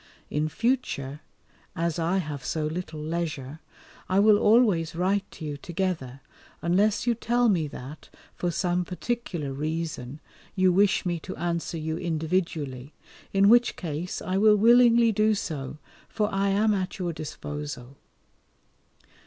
In future, as I have so little leisure, I will always write to you together, unless you tell me that, for some particular reason, you wish me to answer you individually, in which case I will willingly do so, for I am at your disposal.